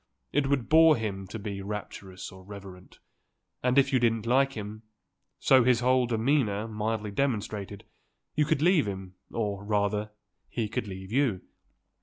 It would bore him to be rapturous or reverent, and if you didn't like him, so his whole demeanour mildly demonstrated, you could leave him, or, rather, he could leave you.